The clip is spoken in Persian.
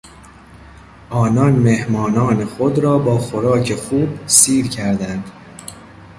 آنان مهمانان خود را با خوراک خوب سیر کردند.